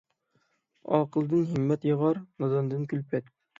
ئاقىلدىن ھىممەت ياغار، ناداندىن كۈلپەت.